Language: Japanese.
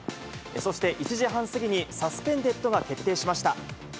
そして１時半過ぎに、サスペンデッドが決定しました。